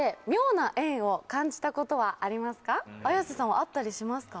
綾瀬さんはあったりしますか？